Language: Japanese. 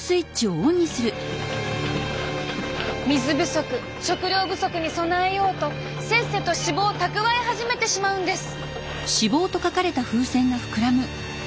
水不足食糧不足に備えようとせっせと脂肪を蓄え始めてしまうんです。